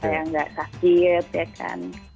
saya gak takut ya kan